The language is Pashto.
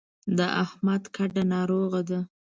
د احمد کډه ناروغه ده.